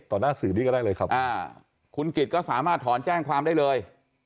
หน้าสื่อนี้ก็ได้เลยครับคุณกิจก็สามารถถอนแจ้งความได้เลย